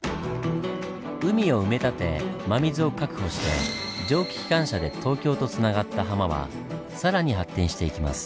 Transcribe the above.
海を埋め立て真水を確保して蒸気機関車で東京とつながったハマは更に発展していきます。